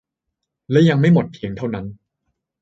และยังไม่หมดเพียงเท่านั้น